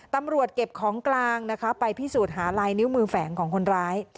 ตำรวจเก็บของกลางนะคะไปพิสูจน์หาลายนิ้วมือแฝงของคนร้าย